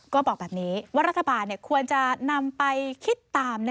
ก็บอกแบบนี้ว่ารัฐบาลควรจะนำไปคิดตาม